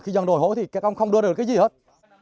khi dân đổi hộ thì không đưa ra được cái gì hết